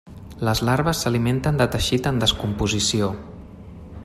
Les larves s'alimenten de teixit en descomposició.